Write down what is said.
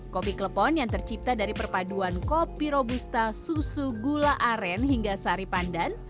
kopi klepon yang tercipta dari perpaduan kopi robusta susu gula aren hingga sari pandan